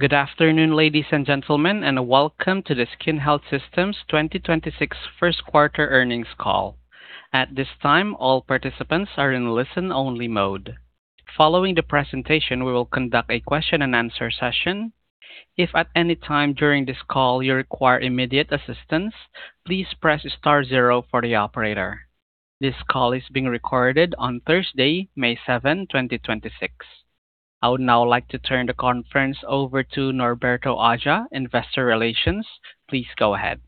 Good afternoon, ladies and gentlemen, and welcome to the SkinHealth Systems 2026 first quarter earnings call. At this time, all participants are in listen-only mode. Following the presentation, we will conduct a question and answer session. If at any time during this call you require immediate assistance, please press star zero for the operator. This call is being recorded on Thursday, May 7, 2026. I would now like to turn the conference over to Norberto Aja, investor relations. Please go ahead.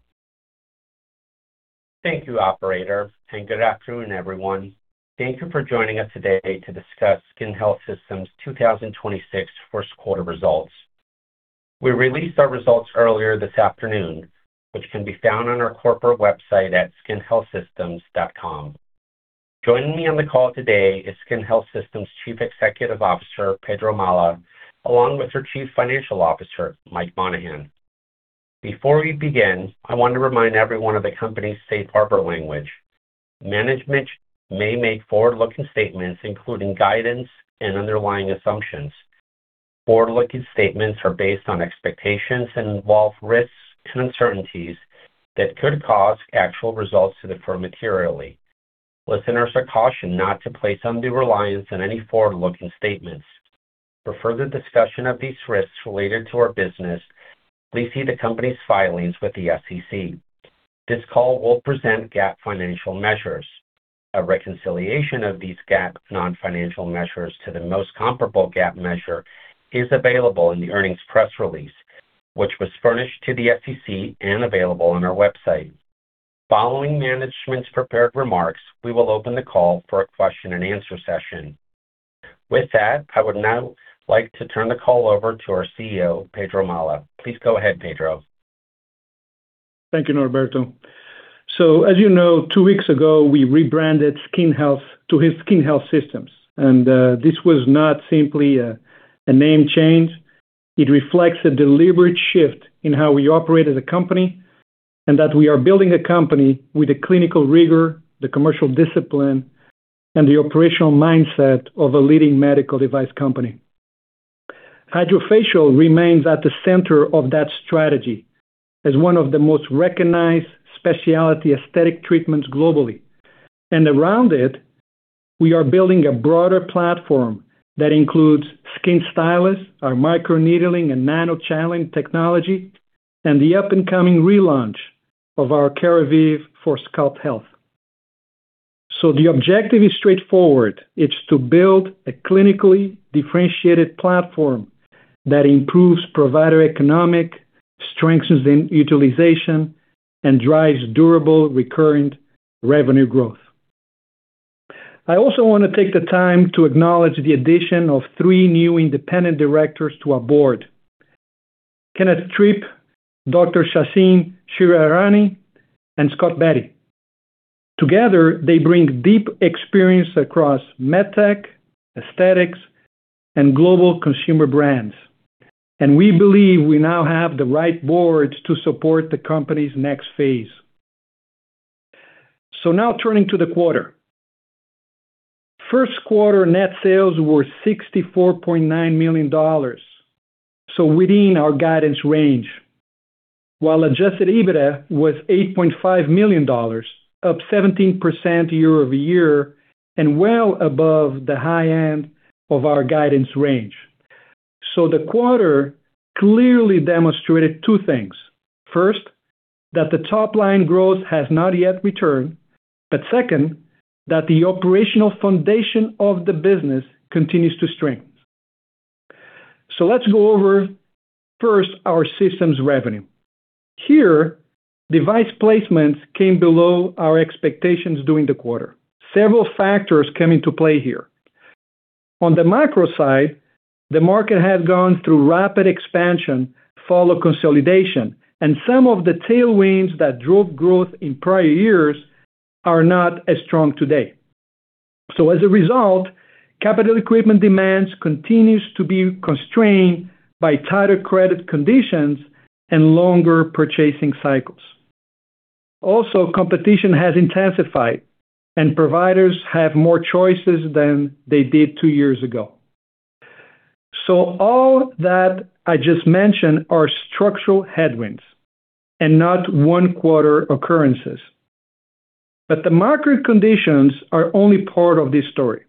Thank you, operator, and good afternoon, everyone. Thank you for joining us today to discuss SkinHealth Systems' 2026 first quarter results. We released our results earlier this afternoon, which can be found on our corporate website at skinhealthsystems.com. Joining me on the call today is SkinHealth Systems' Chief Executive Officer, Pedro Malha, along with our Chief Financial Officer, Mike Monahan. Before we begin, I want to remind everyone of the company's safe harbor language. Management may make forward-looking statements including guidance and underlying assumptions. Forward-looking statements are based on expectations and involve risks and uncertainties that could cause actual results to differ materially. Listeners are cautioned not to place undue reliance on any forward-looking statements. For further discussion of these risks related to our business, please see the company's filings with the SEC. This call will present GAAP financial measures. A reconciliation of these GAAP non-financial measures to the most comparable GAAP measure is available in the earnings press release, which was furnished to the SEC and available on our website. Following management's prepared remarks, we will open the call for a question-and-answer session. With that, I would now like to turn the call over to our CEO, Pedro Malha. Please go ahead, Pedro. Thank you, Norberto. As you know, two weeks ago, we rebranded SkinHealth to SkinHealth Systems. This was not simply a name change. It reflects a deliberate shift in how we operate as a company and that we are building a company with the clinical rigor, the commercial discipline, and the operational mindset of a leading medical device company. Hydrafacial remains at the center of that strategy as one of the most recognized specialty aesthetic treatments globally. Around it, we are building a broader platform that includes SkinStylus, our microneedling and nano-channeling technology, and the up-and-coming relaunch of our Keravive for scalp health. The objective is straightforward. It's to build a clinically differentiated platform that improves provider economics, strengthens the utilization, and drives durable recurrent revenue growth. I also wanna take the time to acknowledge the addition of three new independent directors to our board, Kenneth Tripp, Dr. Sachin Shridharani, and Scott Beattie. Together, they bring deep experience across med tech, aesthetics, and global consumer brands. We believe we now have the right board to support the company's next phase. Now turning to the quarter. First quarter net sales were $64.9 million, within our guidance range. While adjusted EBITDA was $8.5 million, up 17% year-over-year and well above the high end of our guidance range. The quarter clearly demonstrated two things. First, that the top-line growth has not yet returned. Second, that the operational foundation of the business continues to strengthen. Let's go over first our systems revenue. Here, device placements came below our expectations during the quarter. Several factors come into play here. On the macro side, the market had gone through rapid expansion, follow consolidation, and some of the tailwinds that drove growth in prior years are not as strong today. As a result, capital equipment demands continues to be constrained by tighter credit conditions and longer purchasing cycles. Also, competition has intensified, and providers have more choices than they did two years ago. All that I just mentioned are structural headwinds and not one-quarter occurrences. The market conditions are only part of this story.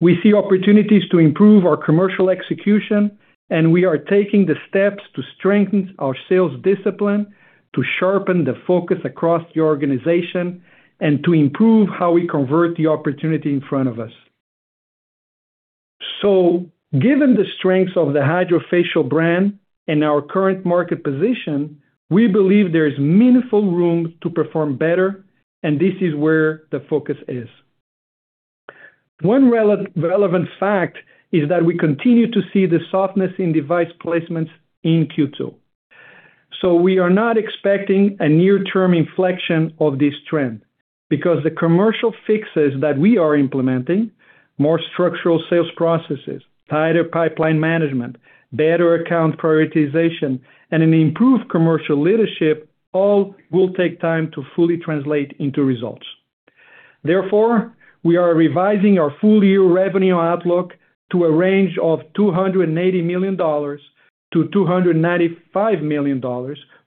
We see opportunities to improve our commercial execution, and we are taking the steps to strengthen our sales discipline, to sharpen the focus across the organization, and to improve how we convert the opportunity in front of us. Given the strengths of the Hydrafacial brand and our current market position, we believe there is meaningful room to perform better, and this is where the focus is. One relevant fact is that we continue to see the softness in device placements in Q2. We are not expecting a near-term inflection of this trend because the commercial fixes that we are implementing, more structural sales processes, tighter pipeline management, better account prioritization, and an improved commercial leadership all will take time to fully translate into results. Therefore, we are revising our full year revenue outlook to a range of $280 million-$295 million,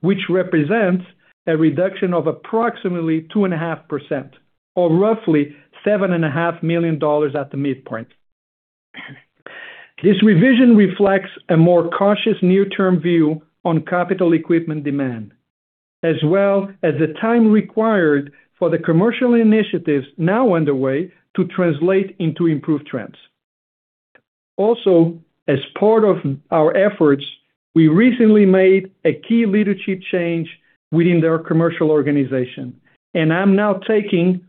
which represents a reduction of approximately 2.5% or roughly $7.5 million at the midpoint. This revision reflects a more cautious near-term view on capital equipment demand, as well as the time required for the commercial initiatives now underway to translate into improved trends. Also, as part of our efforts, we recently made a key leadership change within their commercial organization, and I'm now taking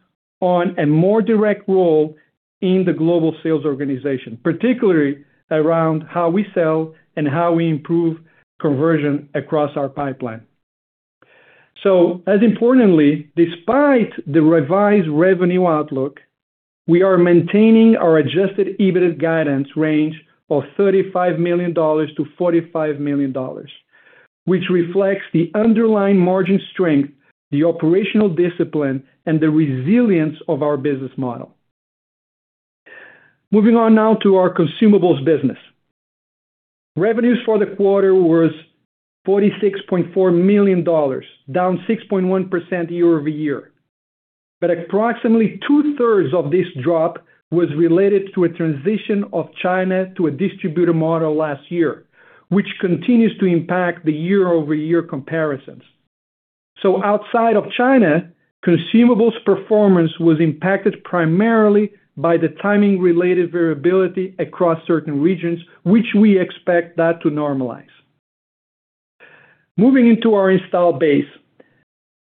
on a more direct role in the global sales organization, particularly around how we sell and how we improve conversion across our pipeline. As importantly, despite the revised revenue outlook, we are maintaining our adjusted EBITDA guidance range of $35 million-$45 million, which reflects the underlying margin strength, the operational discipline, and the resilience of our business model. Moving on now to our consumables business. Revenues for the quarter was $46.4 million, down 6.1% year-over-year. Approximately 2/3 of this drop was related to a transition of China to a distributor model last year, which continues to impact the year-over-year comparisons. Outside of China, consumables performance was impacted primarily by the timing-related variability across certain regions, which we expect that to normalize. Moving into our installed base.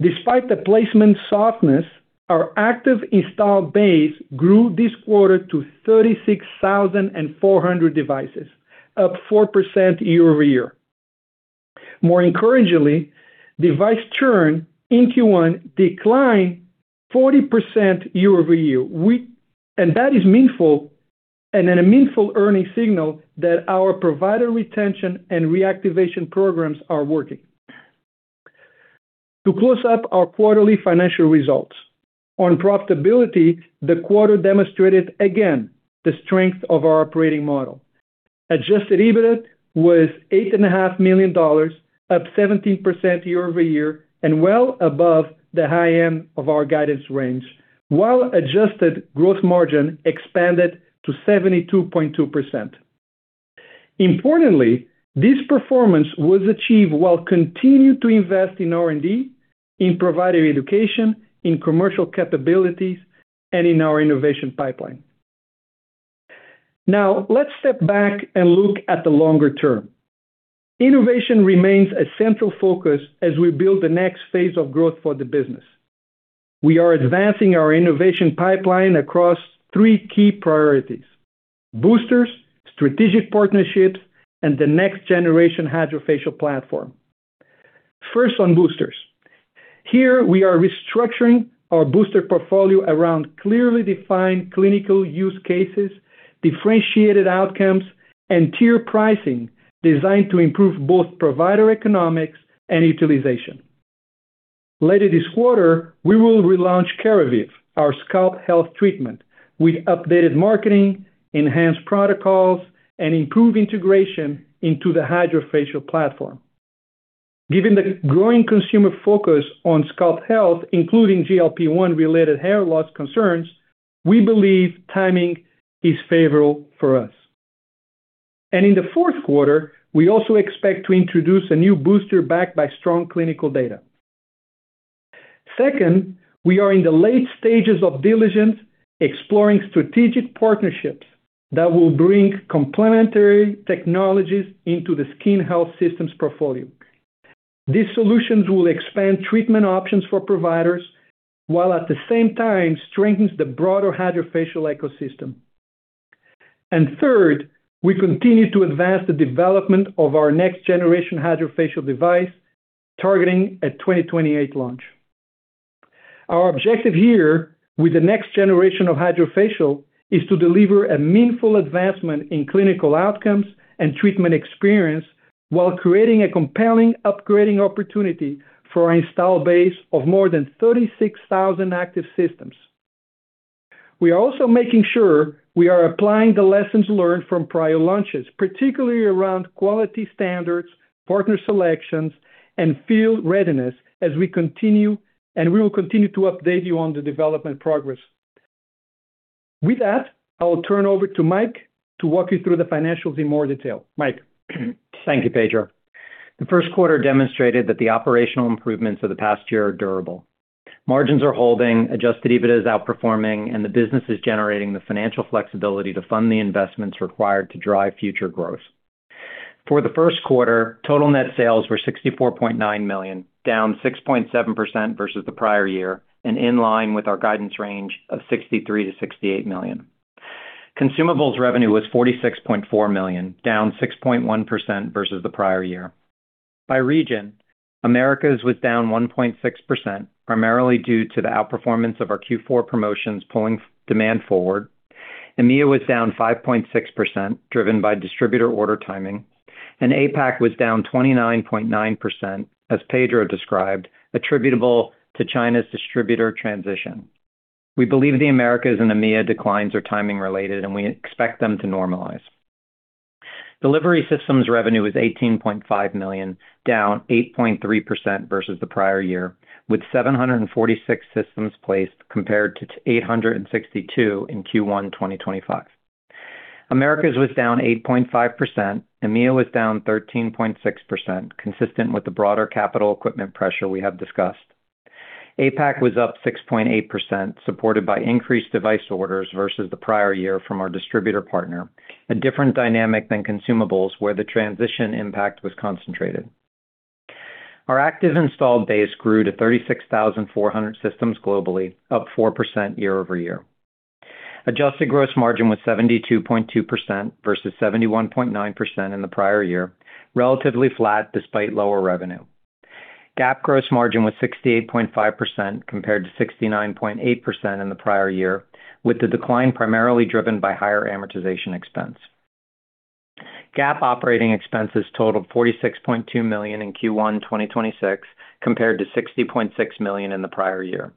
Despite the placement softness, our active installed base grew this quarter to 36,400 devices, up 4% year-over-year. More encouragingly, device churn in Q1 declined 40% year-over-year. And that is meaningful, and a meaningful earning signal that our provider retention and reactivation programs are working. To close up our quarterly financial results. On profitability, the quarter demonstrated again the strength of our operating model. Adjusted EBITDA was $8.5 million, up 17% year-over-year, and well above the high end of our guidance range, while adjusted gross margin expanded to 72.2%. Importantly, this performance was achieved while continuing to invest in R&D, in provider education, in commercial capabilities, and in our innovation pipeline. Let's step back and look at the longer term. Innovation remains a central focus as we build the next phase of growth for the business. We are advancing our innovation pipeline across three key priorities: boosters, strategic partnerships, and the next generation Hydrafacial platform. First, on boosters. Here, we are restructuring our booster portfolio around clearly defined clinical use cases, differentiated outcomes, and tier pricing designed to improve both provider economics and utilization. Later this quarter, we will relaunch Keravive, our scalp health treatment, with updated marketing, enhanced protocols, and improved integration into the Hydrafacial platform. Given the growing consumer focus on scalp health, including GLP-1 related hair loss concerns, we believe timing is favorable for us. In the fourth quarter, we also expect to introduce a new booster backed by strong clinical data. Second, we are in the late stages of diligence, exploring strategic partnerships that will bring complementary technologies into the SkinHealth Systems portfolio. These solutions will expand treatment options for providers, while at the same time strengthens the broader Hydrafacial ecosystem. Third, we continue to advance the development of our next generation Hydrafacial device, targeting a 2028 launch. Our objective here with the next generation of Hydrafacial is to deliver a meaningful advancement in clinical outcomes and treatment experience while creating a compelling upgrading opportunity for our installed base of more than 36,000 active systems. We are also making sure we are applying the lessons learned from prior launches, particularly around quality standards, partner selections, and field readiness as we continue, and we will continue to update you on the development progress. With that, I will turn over to Mike to walk you through the financials in more detail. Mike. Thank you, Pedro. The first quarter demonstrated that the operational improvements of the past year are durable. Margins are holding, adjusted EBITDA is outperforming, and the business is generating the financial flexibility to fund the investments required to drive future growth. For the first quarter, total net sales were $64.9 million, down 6.7% versus the prior year and in line with our guidance range of $63 million-$68 million. Consumables revenue was $46.4 million, down 6.1% versus the prior year. By region, Americas was down 1.6%, primarily due to the outperformance of our Q4 promotions pulling demand forward. EMEA was down 5.6%, driven by distributor order timing, and APAC was down 29.9%, as Pedro described, attributable to China's distributor transition. We believe the Americas and EMEA declines are timing related, and we expect them to normalize. Delivery systems revenue was $18.5 million, down 8.3% versus the prior year, with 746 systems placed compared to 862 in Q1 2025. Americas was down 8.5%. EMEA was down 13.6%, consistent with the broader capital equipment pressure we have discussed. APAC was up 6.8%, supported by increased device orders versus the prior year from our distributor partner, a different dynamic than consumables where the transition impact was concentrated. Our active installed base grew to 36,400 systems globally, up 4% year-over-year. Adjusted gross margin was 72.2% versus 71.9% in the prior year, relatively flat despite lower revenue. GAAP gross margin was 68.5% compared to 69.8% in the prior year, with the decline primarily driven by higher amortization expense. GAAP operating expenses totaled $46.2 million in Q1 2026 compared to $60.6 million in the prior year.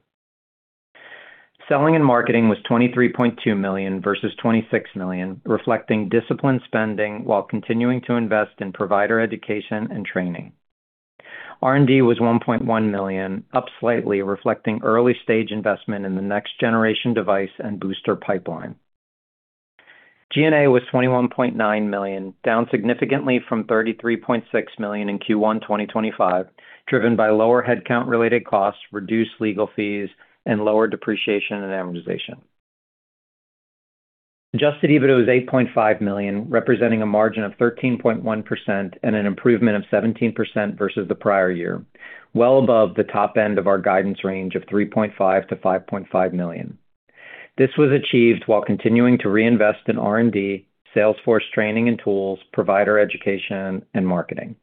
Selling and marketing was $23.2 million versus $26 million, reflecting disciplined spending while continuing to invest in provider education and training. R&D was $1.1 million, up slightly, reflecting early-stage investment in the next generation device and booster pipeline. G&A was $21.9 million, down significantly from $33.6 million in Q1 2025, driven by lower headcount-related costs, reduced legal fees, and lower depreciation and amortization. Adjusted EBITDA was $8.5 million, representing a margin of 13.1% and an improvement of 17% versus the prior year, well above the top end of our guidance range of $3.5 million-$5.5 million. This was achieved while continuing to reinvest in R&D, sales force training and tools, provider education, and marketing.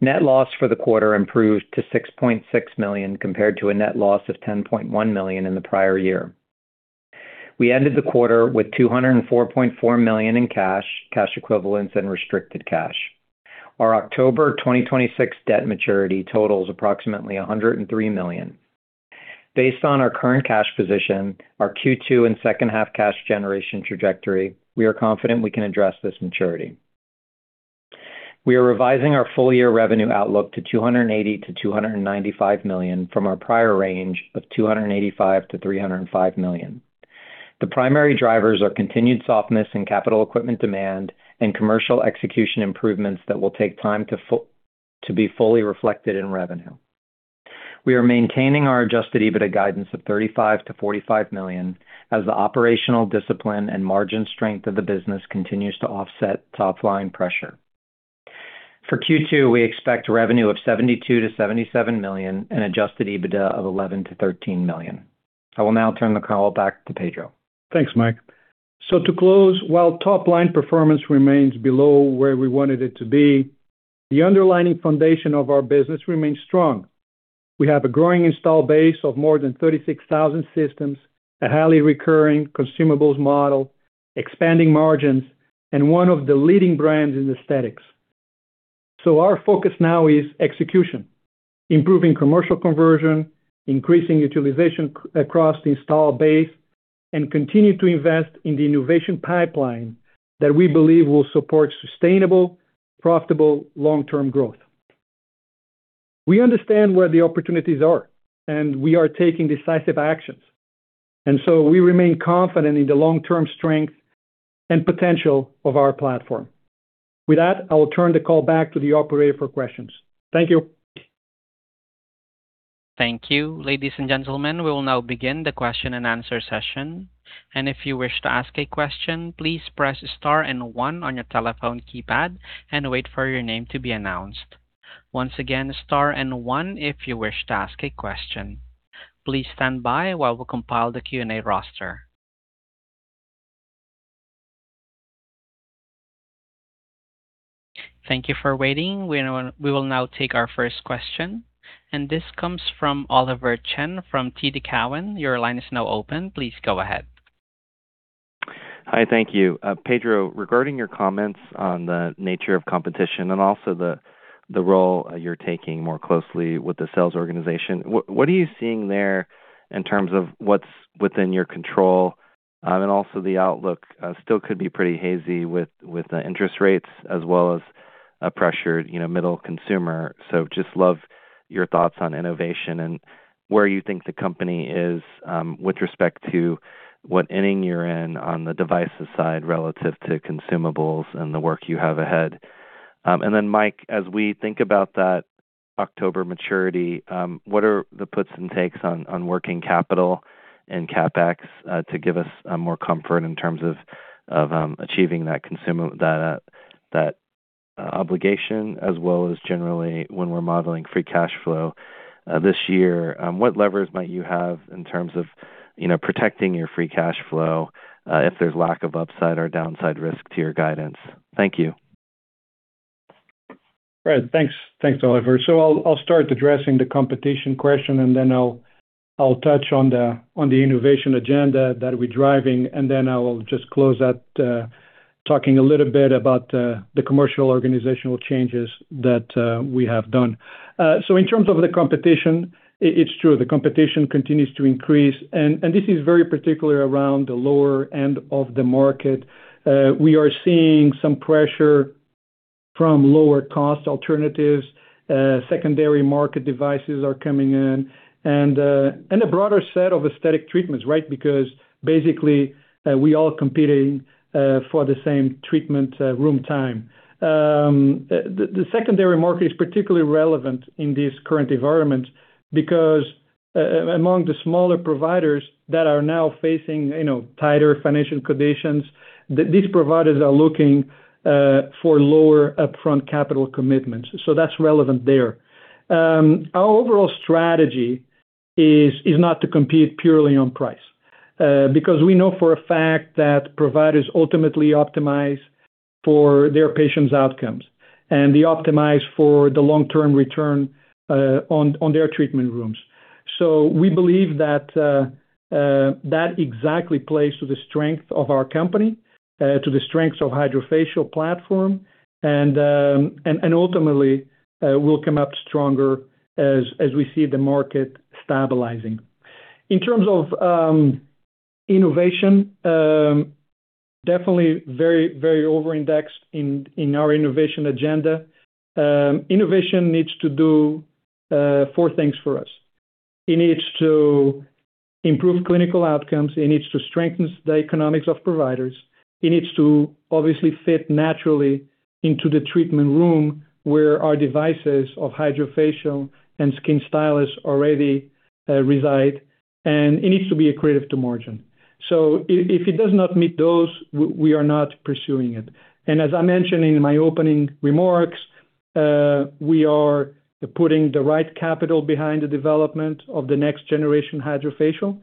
Net loss for the quarter improved to $6.6 million compared to a net loss of $10.1 million in the prior year. We ended the quarter with $204.4 million in cash equivalents and restricted cash. Our October 2026 debt maturity totals approximately $103 million. Based on our current cash position, our Q2 and second half cash generation trajectory, we are confident we can address this maturity. We are revising our full-year revenue outlook to $280 million-$295 million from our prior range of $285 million-$305 million. The primary drivers are continued softness in capital equipment demand and commercial execution improvements that will take time to be fully reflected in revenue. We are maintaining our adjusted EBITDA guidance of $35 million-$45 million as the operational discipline and margin strength of the business continues to offset top-line pressure. For Q2, we expect revenue of $72 million-$77 million and adjusted EBITDA of $11 million-$13 million. I will now turn the call back to Pedro. Thanks, Mike. To close, while top-line performance remains below where we wanted it to be, the underlying foundation of our business remains strong. We have a growing installed base of more than 36,000 systems, a highly recurring consumables model, expanding margins, and one of the leading brands in aesthetics. Our focus now is execution, improving commercial conversion, increasing utilization across the installed base, and continue to invest in the innovation pipeline that we believe will support sustainable, profitable long-term growth. We understand where the opportunities are, and we are taking decisive actions, we remain confident in the long-term strength and potential of our platform. With that, I will turn the call back to the operator for questions. Thank you. Thank you. Ladies and gentlemen, we will now begin the question and answer session. If you wish to ask a question, please press star and one on your telephone keypad and wait for your name to be announced. Once again, star and one if you wish to ask a question. Please stand by while we compile the Q&A roster. Thank you for waiting. We will now take our first question, and this comes from Oliver Chen from TD Cowen. Your line is now open. Please go ahead. Hi. Thank you. Pedro, regarding your comments on the nature of competition and also the role you're taking more closely with the sales organization, what are you seeing there in terms of what's within your control? Also the outlook still could be pretty hazy with the interest rates as well as a pressured, you know, middle consumer. Just love your thoughts on innovation and where you think the company is with respect to what inning you're in on the devices side relative to consumables and the work you have ahead. Then Mike, as we think about that October maturity, what are the puts and takes on working capital and CapEx, to give us more comfort in terms of achieving that obligation as well as generally when we're modeling free cash flow this year, what levers might you have in terms of, you know, protecting your free cash flow if there's lack of upside or downside risk to your guidance? Thank you. Right. Thanks. Thanks, Oliver. I'll start addressing the competition question, then I'll touch on the innovation agenda that we're driving, then I will just close that talking a little bit about the commercial organizational changes that we have done. In terms of the competition, it's true, the competition continues to increase, and this is very particular around the lower end of the market. We are seeing some pressure from lower cost alternatives. Secondary market devices are coming in and a broader set of aesthetic treatments, right? Because basically, we're all competing for the same treatment room time. The secondary market is particularly relevant in this current environment because, among the smaller providers that are now facing, you know, tighter financial conditions, these providers are looking for lower upfront capital commitments, so that's relevant there. Our overall strategy is not to compete purely on price because we know for a fact that providers ultimately optimize for their patients' outcomes, and they optimize for the long-term return on their treatment rooms. We believe that exactly plays to the strength of our company, to the strengths of Hydrafacial platform, and ultimately, we'll come up stronger as we see the market stabilizing. In terms of innovation, definitely very over-indexed in our innovation agenda. Innovation needs to do four things for us. It needs to improve clinical outcomes. It needs to strengthen the economics of providers. It needs to obviously fit naturally into the treatment room where our devices of Hydrafacial and SkinStylus already reside, and it needs to be accretive to margin. If it does not meet those, we are not pursuing it. As I mentioned in my opening remarks, we are putting the right capital behind the development of the next generation Hydrafacial,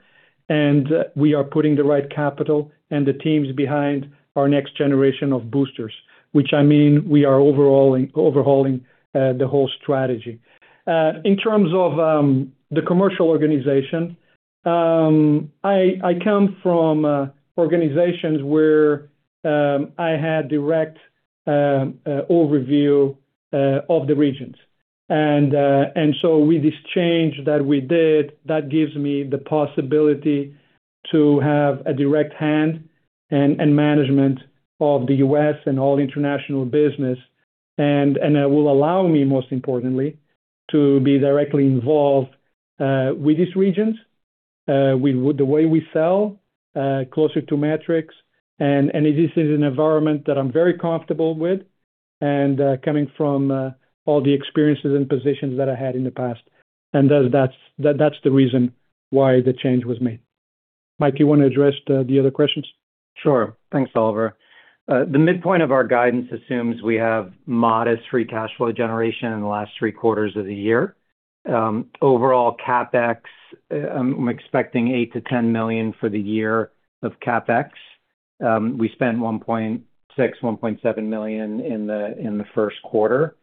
and we are putting the right capital and the teams behind our next generation of boosters, which, I mean, we are overhauling the whole strategy. In terms of the commercial organization, I come from organizations where I had direct overview of the regions. With this change that we did, that gives me the possibility to have a direct hand and management of the U.S. and all international business. It will allow me, most importantly, to be directly involved with these regions, with the way we sell, closer to metrics. This is an environment that I'm very comfortable with and coming from all the experiences and positions that I had in the past. That's the reason why the change was made. Mike, you wanna address the other questions? Sure. Thanks, Oliver Chen. The midpoint of our guidance assumes we have modest free cash flow generation in the last three quarters of the year. Overall CapEx, I'm expecting $8 million-$10 million for the year of CapEx. We spent $1.6 million, $1.7 million in the first quarter.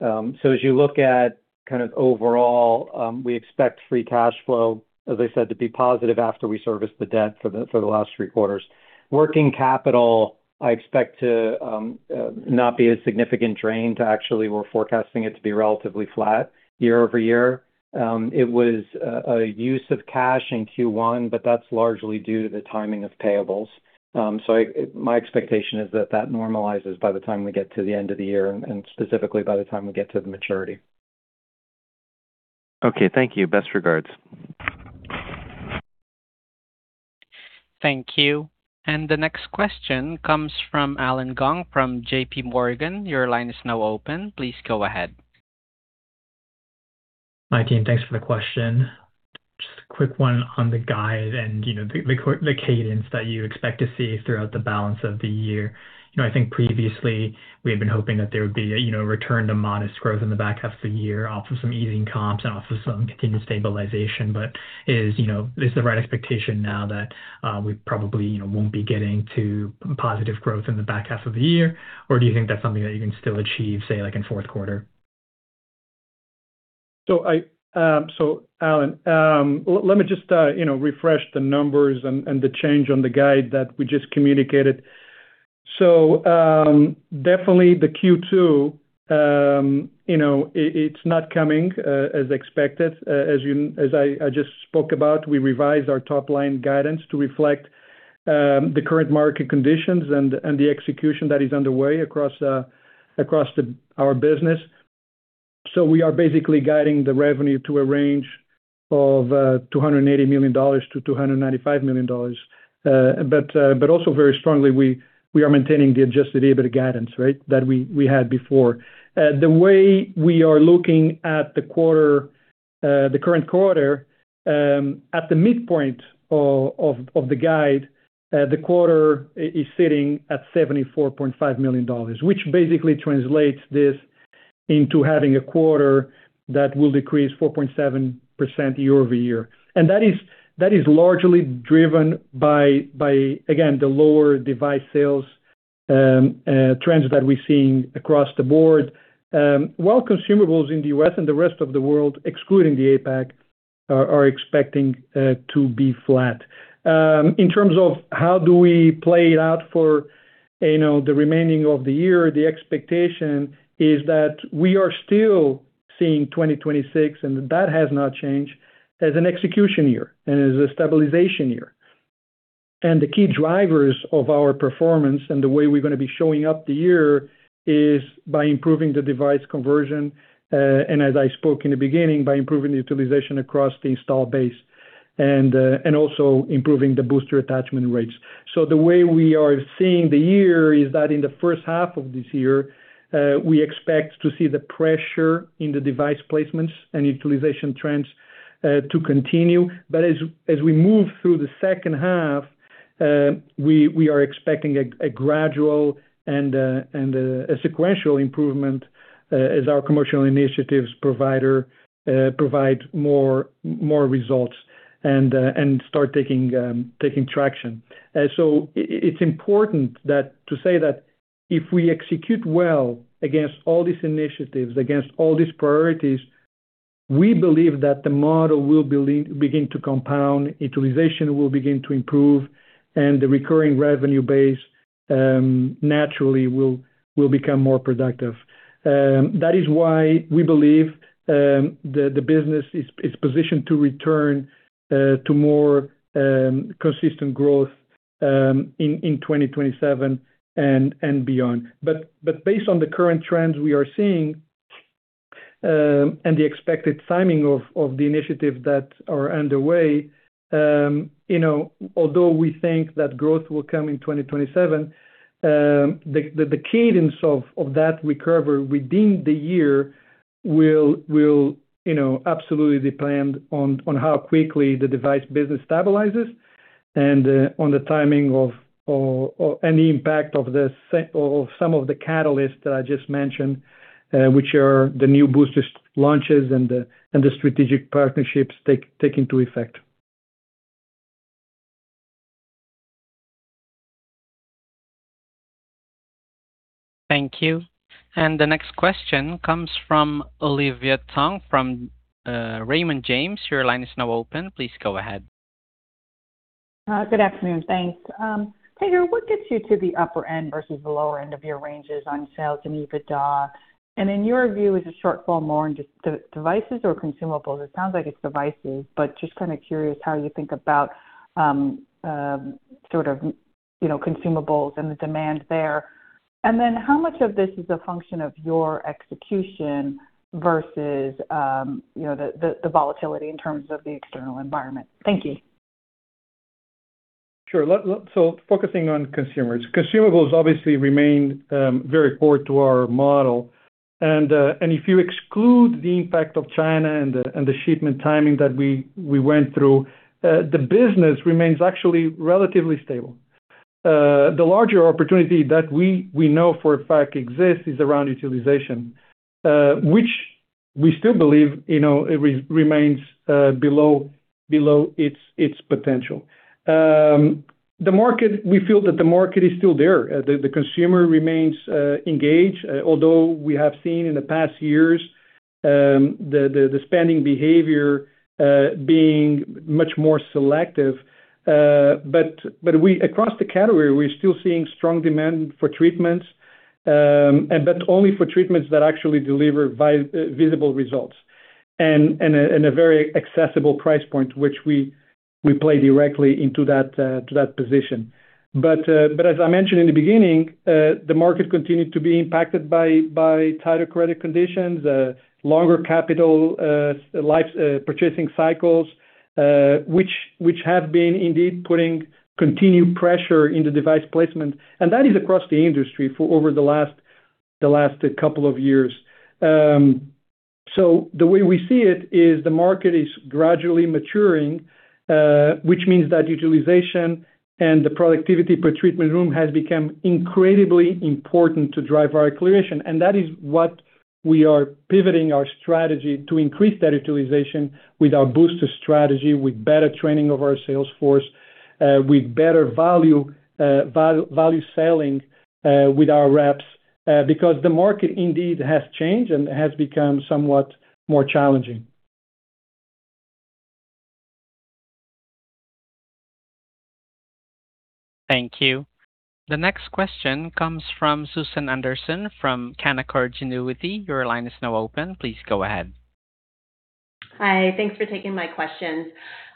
As you look at kind of overall, we expect free cash flow, as I said, to be positive after we service the debt for the last three quarters. Working capital, I expect not to be a significant drain to actually we're forecasting it to be relatively flat year-over-year. It was a use of cash in Q1, but that's largely due to the timing of payables. My expectation is that that normalizes by the time we get to the end of the year and specifically by the time we get to the maturity. Okay. Thank you. Best regards. Thank you. The next question comes from Allen Gong from JPMorgan. Your line is now open. Please go ahead. Hi, team. Thanks for the question. Just a quick one on the guide and, you know, the cadence that you expect to see throughout the balance of the year. You know, I think previously we had been hoping that there would be a, you know, return to modest growth in the back half of the year off of some easing comps and off of some continued stabilization. Is, you know, is the right expectation now that we probably, you know, won't be getting to positive growth in the back half of the year, or do you think that's something that you can still achieve, say, like in fourth quarter? Allen, let me just, you know, refresh the numbers and the change on the guide that we just communicated. Definitely the Q2, you know, it's not coming as expected. As I just spoke about, we revised our top line guidance to reflect the current market conditions and the execution that is underway across our business. We are basically guiding the revenue to a range of $280 million-$295 million. But also very strongly, we are maintaining the adjusted EBITDA guidance, right, that we had before. The way we are looking at the quarter, the current quarter, at the midpoint of the guide, the quarter is sitting at $74.5 million, which basically translates this into having a quarter that will decrease 4.7% year-over-year. That is largely driven by again, the lower device sales trends that we're seeing across the board. While consumables in the U.S. and the rest of the world, excluding the APAC, are expecting to be flat. In terms of how do we play it out for, you know, the remaining of the year, the expectation is that we are still seeing 2026, and that has not changed, as an execution year and as a stabilization year. The key drivers of our performance and the way we're gonna be showing up the year is by improving the device conversion, and as I spoke in the beginning, by improving the utilization across the install base and also improving the booster attachment rates. The way we are seeing the year is that in the first half of this year, we expect to see the pressure in the device placements and utilization trends to continue. As we move through the second half, we are expecting a gradual and a sequential improvement, as our commercial initiatives provide more results and start taking traction. It's important to say that if we execute well against all these initiatives, against all these priorities, we believe that the model will begin to compound, utilization will begin to improve, and the recurring revenue base naturally will become more productive. That is why we believe the business is positioned to return to more consistent growth in 2027 and beyond. Based on the current trends we are seeing, and the expected timing of the initiative that are underway, you know, although we think that growth will come in 2027, the cadence of that recovery within the year will, you know, absolutely depend on how quickly the device business stabilizes and on the timing of any impact of some of the catalysts that I just mentioned, which are the new boosters launches and the strategic partnerships take into effect. Thank you. The next question comes from Olivia Tong from Raymond James. Your line is now open. Please go ahead. Good afternoon. Thanks. Pedro, what gets you to the upper end versus the lower end of your ranges on sales and EBITDA? In your view, is the shortfall more on just devices or consumables? It sounds like it's devices, but just kind of curious how you think about sort of, you know, consumables and the demand there. How much of this is a function of your execution versus, you know, the volatility in terms of the external environment? Thank you. Sure. Let focusing on consumers. Consumables obviously remain very core to our model. If you exclude the impact of China and the shipment timing that we went through, the business remains actually relatively stable. The larger opportunity that we know for a fact exists is around utilization, which we still believe, you know, it remains below its potential. The market, we feel that the market is still there. The consumer remains engaged, although we have seen in the past years, the spending behavior being much more selective. We across the category, we're still seeing strong demand for treatments, but only for treatments that actually deliver visible results and a very accessible price point, which we play directly into that to that position. As I mentioned in the beginning, the market continued to be impacted by tighter credit conditions, longer capital life purchasing cycles, which have been indeed putting continued pressure into device placement. That is across the industry for over the last couple of years. The way we see it is the market is gradually maturing, which means that utilization and the productivity per treatment room has become incredibly important to drive our acquisition. That is what we are pivoting our strategy to increase that utilization with our booster strategy, with better training of our sales force, with better value selling with our reps, because the market indeed has changed and has become somewhat more challenging. Thank you. The next question comes from Susan Anderson from Canaccord Genuity. Your line is now open. Please go ahead. Hi. Thanks for taking my questions.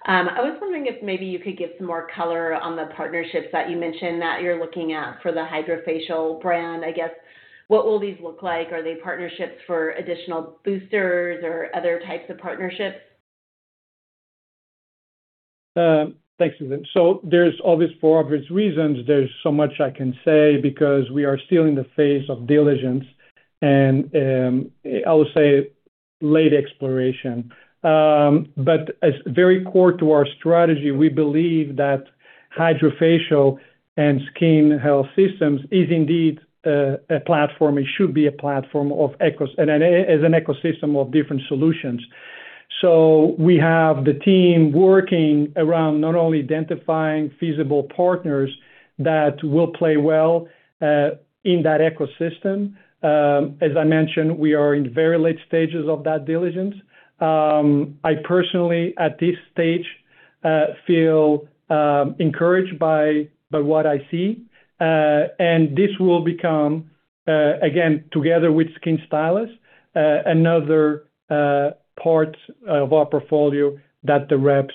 I was wondering if maybe you could give some more color on the partnerships that you mentioned that you're looking at for the Hydrafacial brand. I guess, what will these look like? Are they partnerships for additional boosters or other types of partnerships? Thanks, Susan. For obvious reasons, there's so much I can say because we are still in the phase of diligence and I would say late exploration. As very core to our strategy, we believe that HydraFacial and SkinHealth Systems is indeed a platform. It should be a platform of and as an ecosystem of different solutions. We have the team working around not only identifying feasible partners that will play well in that ecosystem. As I mentioned, we are in very late stages of that diligence. I personally, at this stage, feel encouraged by what I see. This will become again, together with SkinStylus, another part of our portfolio that the reps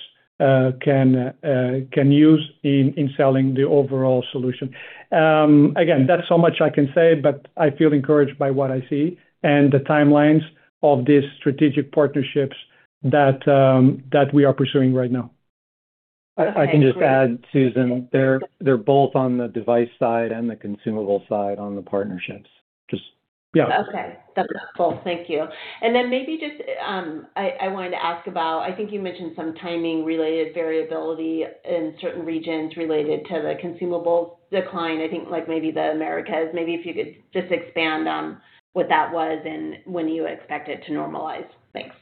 can use in selling the overall solution. Again, that's how much I can say, but I feel encouraged by what I see and the timelines of these strategic partnerships that we are pursuing right now. I can just add, Susan, they're both on the device side and the consumable side on the partnerships. Just, yeah. Okay. That's helpful. Thank you. Maybe just I wanted to ask about, I think you mentioned some timing-related variability in certain regions related to the consumable decline. I think, like maybe the Americas. Maybe if you could just expand on what that was and when you expect it to normalize. Thanks.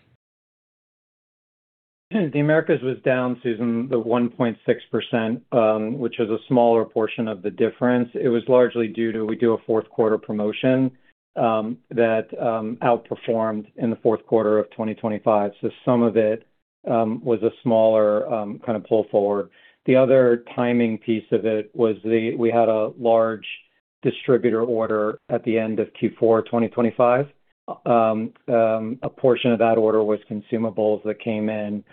The Americas was down, Susan, the 1.6%, which is a smaller portion of the difference. It was largely due to we do a fourth quarter promotion that outperformed in the fourth quarter of 2025. Some of it was a smaller kind of pull forward. The other timing piece of it was we had a large distributor order at the end of Q4 2025. A portion of that order was consumables that came in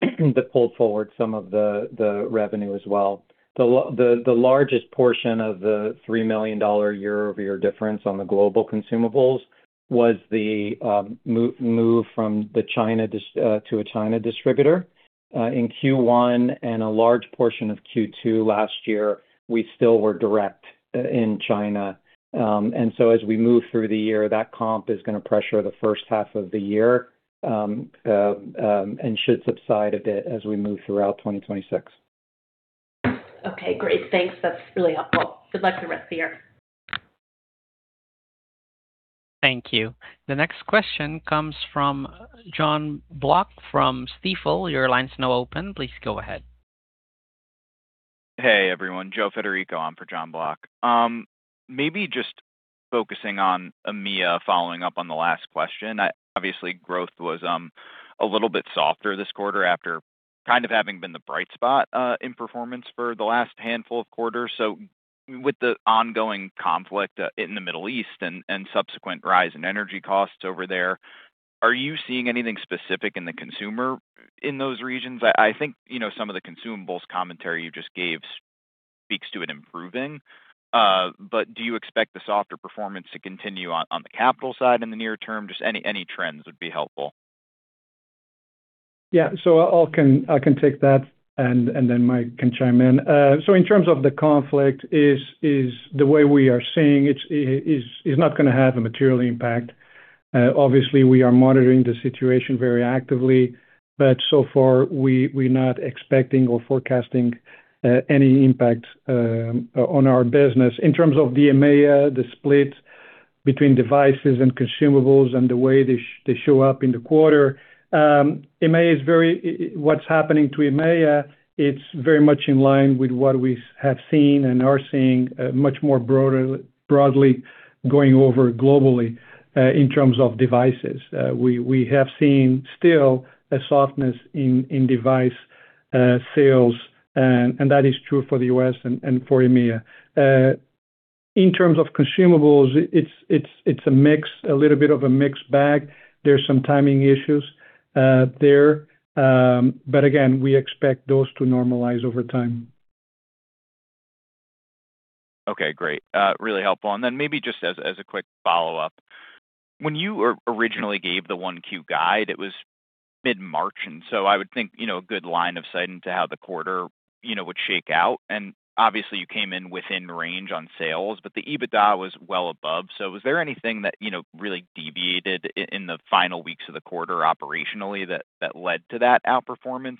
that pulled forward some of the revenue as well. The largest portion of the $3 million year-over-year difference on the global consumables was the move from the China to a China distributor. In Q1 and a large portion of Q2 last year, we still were direct in China. As we move through the year, that comp is going to pressure the first half of the year, and should subside a bit as we move throughout 2026. Okay, great. Thanks. That's really helpful. Good luck the rest of the year. Thank you. The next question comes from Jon Block from Stifel. Your line is now open. Please go ahead. Hey, everyone, Joe Federico on for Jon Block. Maybe just focusing on EMEA following up on the last question. Obviously, growth was a little bit softer this quarter after kind of having been the bright spot in performance for the last handful of quarters. With the ongoing conflict in the Middle East and subsequent rise in energy costs over there, are you seeing anything specific in the consumer in those regions? I think, you know, some of the consumables commentary you just gave speaks to it improving. Do you expect the softer performance to continue on the capital side in the near term? Just any trends would be helpful. I can take that, and then Mike can chime in. In terms of the conflict is the way we are seeing it is not going to have a material impact. Obviously, we are monitoring the situation very actively, but so far, we're not expecting or forecasting any impact on our business. In terms of the EMEA, the split between devices and consumables and the way they show up in the quarter, what's happening to EMEA is very much in line with what we have seen and are seeing broadly going over globally in terms of devices. We have seen still a softness in device sales, and that is true for the U.S. and for EMEA. In terms of consumables, it's a mix, a little bit of a mixed bag. There's some timing issues there. Again, we expect those to normalize over time. Okay, great. Really helpful. Maybe just as a quick follow-up. When you originally gave the 1Q guide, it was mid-March, I would think, you know, a good line of sight into how the quarter, you know, would shake out. Obviously, you came in within range on sales, but the EBITDA was well above. Was there anything that, you know, really deviated in the final weeks of the quarter operationally that led to that outperformance?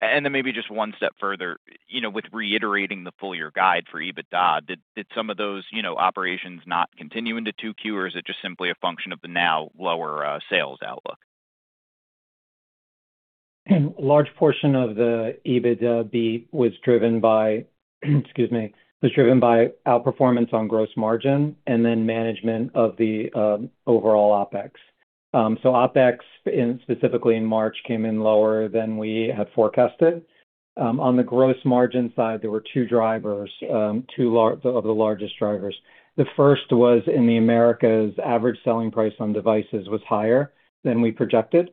Then maybe just one step further, you know, with reiterating the full-year guide for EBITDA, did some of those, you know, operations not continue into 2Q, or is it just simply a function of the now lower sales outlook? A large portion of the EBITDA was driven by outperformance on gross margin and then management of the overall OpEx. OpEx specifically in March, came in lower than we had forecasted. On the gross margin side, there were two drivers, two of the largest drivers. The first was in the Americas, average selling price on devices was higher than we projected.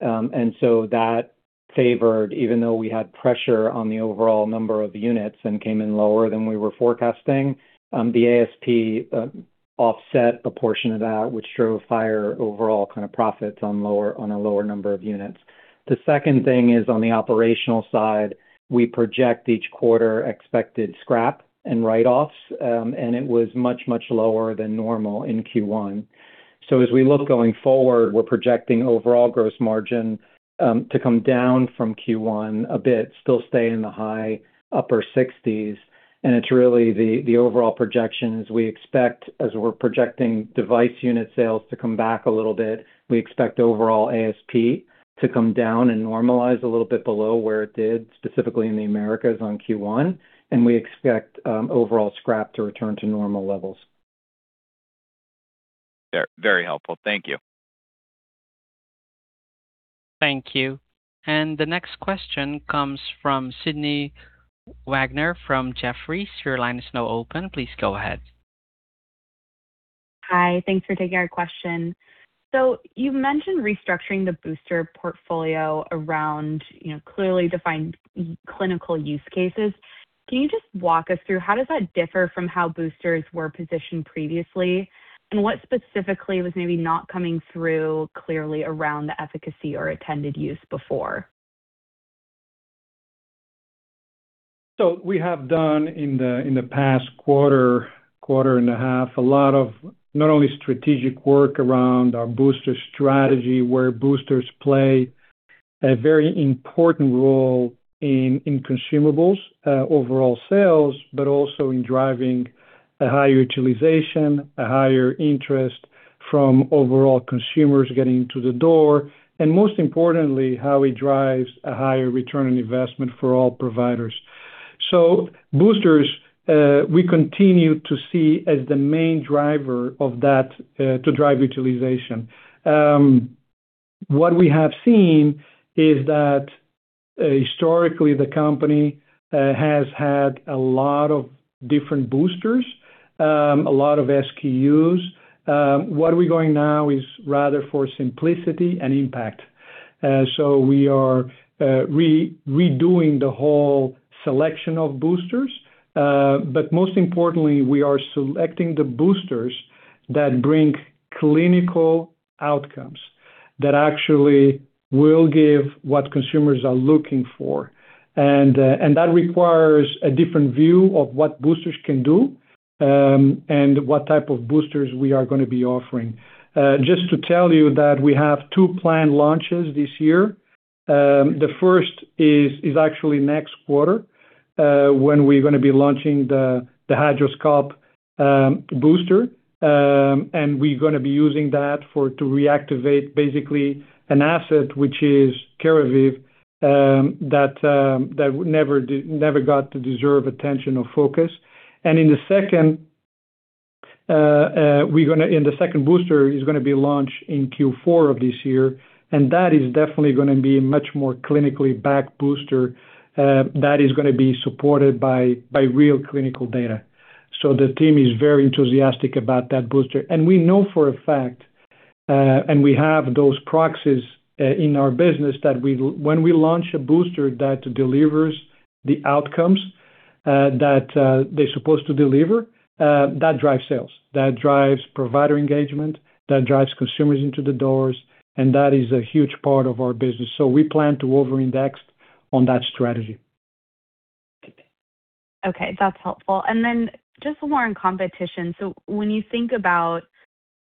That favored, even though we had pressure on the overall number of units and came in lower than we were forecasting, the ASP offset a portion of that, which drove higher overall kind of profits on a lower number of units. The second thing is on the operational side, we project each quarter expected scrap and write-offs, and it was much, much lower than normal in Q1. As we look going forward, we're projecting overall gross margin to come down from Q1 a bit, still stay in the high upper 60s%. It's really the overall projection is we expect, as we're projecting device unit sales to come back a little bit, we expect overall ASP to come down and normalize a little bit below where it did, specifically in the Americas on Q1, and we expect overall scrap to return to normal levels. Very helpful. Thank you. Thank you. The next question comes from Sydney Wagner from Jefferies. Your line is now open. Please go ahead. Hi. Thanks for taking our question. You mentioned restructuring the booster portfolio around, you know, clearly defined clinical use cases. Can you just walk us through how does that differ from how boosters were positioned previously? What specifically was maybe not coming through clearly around the efficacy or intended use before? We have done in the past quarter and a half, a lot of not only strategic work around our booster strategy, where boosters play a very important role in consumables, overall sales, but also in driving a higher utilization, a higher interest from overall consumers getting into the door, and most importantly, how it drives a higher return on investment for all providers. Boosters, we continue to see as the main driver of that, to drive utilization. What we have seen is that historically the company has had a lot of different boosters, a lot of SKUs. Where we're going now is rather for simplicity and impact. We are redoing the whole selection of boosters, most importantly, we are selecting the boosters that bring clinical outcomes that actually will give what consumers are looking for. That requires a different view of what boosters can do, and what type of boosters we are gonna be offering. Just to tell you that we have two planned launches this year. The first is actually next quarter, when we're gonna be launching the HydroSculpt booster. We're gonna be using that to reactivate basically an asset, which is Keravive, that never got the deserved attention or focus. The second booster is gonna be launched in Q4 of this year, and that is definitely gonna be much more clinically backed booster that is gonna be supported by real clinical data. The team is very enthusiastic about that booster. We know for a fact, and we have those proxies in our business when we launch a booster that delivers the outcomes that they're supposed to deliver, that drives sales, that drives provider engagement, that drives consumers into the doors, and that is a huge part of our business. We plan to over-index on that strategy. Okay. That's helpful. Then just more on competition. When you think about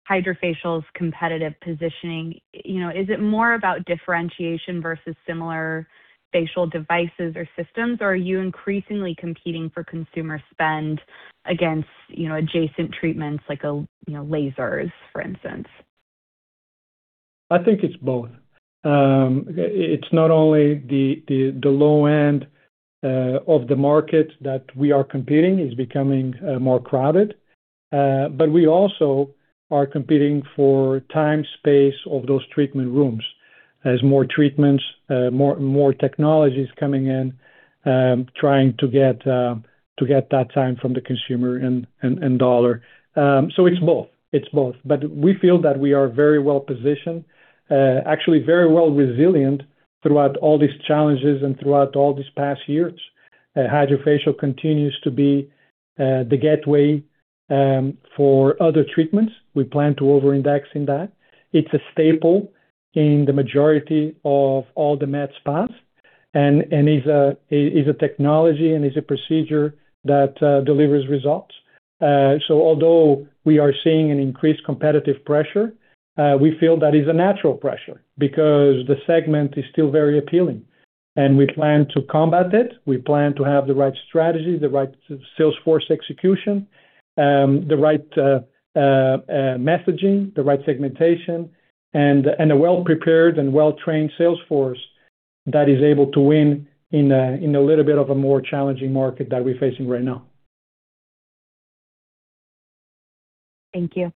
Hydrafacial's competitive positioning, you know, is it more about differentiation versus similar facial devices or systems, or are you increasingly competing for consumer spend against, you know, adjacent treatments like lasers, for instance? I think it's both. It's not only the low end of the market that we are competing is becoming more crowded, but we also are competing for time, space of those treatment rooms as more treatments, more technologies coming in, trying to get that time from the consumer and dollar. It's both. We feel that we are very well-positioned, actually very well resilient throughout all these challenges and throughout all these past years. Hydrafacial continues to be the gateway for other treatments. We plan to over-index in that. It's a staple in the majority of all the med spas and is a technology and is a procedure that delivers results. Although we are seeing an increased competitive pressure, we feel that is a natural pressure because the segment is still very appealing and we plan to combat it. We plan to have the right strategy, the right sales force execution, the right messaging, the right segmentation, and a well-prepared and well-trained sales force that is able to win in a little bit of a more challenging market that we're facing right now. Thank you.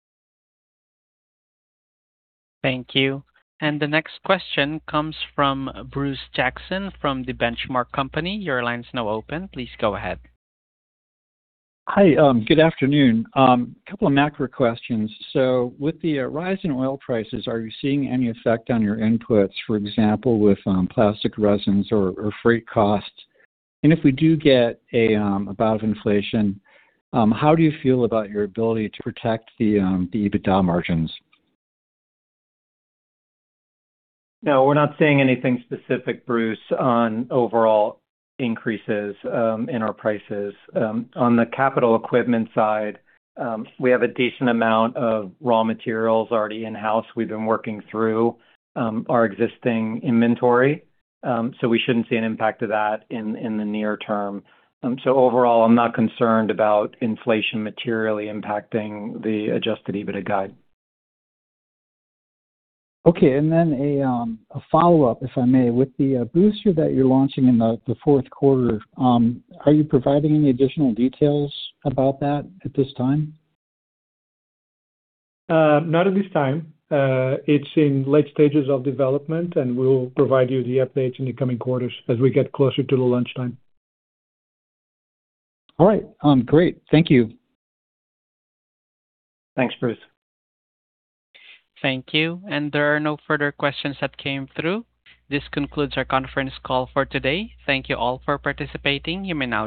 Thank you. The next question comes from Bruce Jackson from The Benchmark Company. Your line is now open. Please go ahead. Hi. Good afternoon. A couple of macro questions. With the rise in oil prices, are you seeing any effect on your inputs, for example, with plastic resins or freight costs? If we do get a bout of inflation, how do you feel about your ability to protect the EBITDA margins? No, we're not seeing anything specific, Bruce, on overall increases in our prices. On the capital equipment side, we have a decent amount of raw materials already in-house. We've been working through our existing inventory, so we shouldn't see an impact to that in the near term. Overall, I'm not concerned about inflation materially impacting the adjusted EBITDA guide. Okay. A follow-up, if I may. With the booster that you're launching in the fourth quarter, are you providing any additional details about that at this time? Not at this time. It's in late stages of development, and we'll provide you the updates in the coming quarters as we get closer to the launch time. All right. great. Thank you. Thanks, Bruce. Thank you. There are no further questions that came through. This concludes our conference call for today. Thank you all for participating. You may now disconnect.